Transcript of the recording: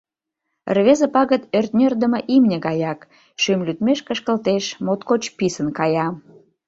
Рвезе пагыт ӧртньӧрдымӧ имне гаяк, шӱм лӱдмеш кышкылтеш, моткоч писын кая.